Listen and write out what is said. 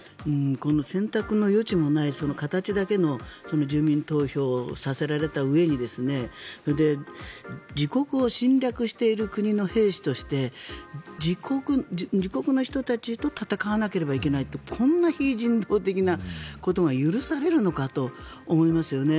選択の余地もない形だけの住民投票をさせられたうえに自国を侵略している国の兵士として自国の人たちと戦わなければいけないってこんな非人道的なことが許されるのかと思いますよね。